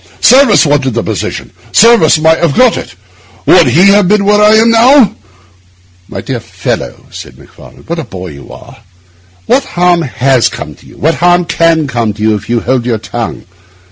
Service wanted the position; Service might have got it. Would he have been where I am now?' 'My dear fellow,' said Macfarlane, 'what a boy you are! What harm has come to you? What harm can come to you if you hold your tongue?